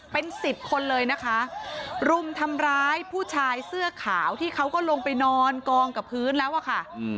เป็นสิบคนเลยนะคะรุมทำร้ายผู้ชายเสื้อขาวที่เขาก็ลงไปนอนกองกับพื้นแล้วอะค่ะ